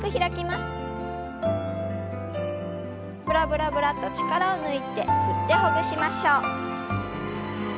ブラブラブラッと力を抜いて振ってほぐしましょう。